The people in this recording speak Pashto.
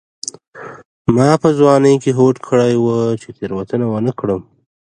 ما په ځوانۍ کې هوډ کړی و چې تېروتنه ونه کړم.